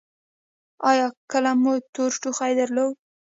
ایا کله مو تور ټوخی درلود؟